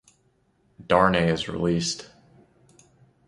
Darnay is released.